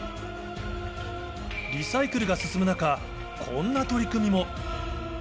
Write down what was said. リサイクルが進む中、こんな取り組みも。